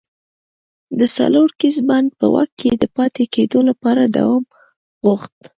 د څلور کسیز بانډ په واک کې د پاتې کېدو لپاره دوام غوښت.